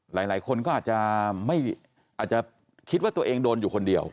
หลายคนก็อาจจะคิดว่าตัวเองโดนอยู่คนเดียว